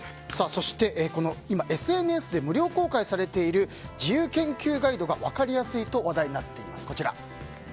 ＳＮＳで無料公開されている自由研究ガイドが分かりやすいと話題になっています。